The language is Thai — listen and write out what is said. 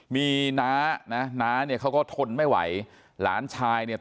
มีนะนะเนี้ยเขาก็ทนไม่ไหวล้านชายเนี้ย